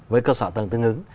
với cơ sở tầng tương ứng